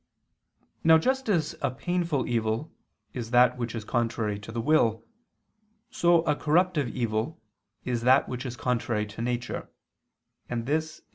Now just as a painful evil is that which is contrary to the will, so a corruptive evil is that which is contrary to nature: and this is the evil of nature.